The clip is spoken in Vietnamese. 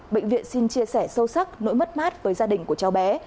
bệnh viện xin chia sẻ sâu sắc nỗi mất mát với gia đình của cháu bé